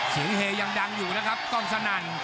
เสียงเหย์ยังดังอยู่นะครับก้องสนั่น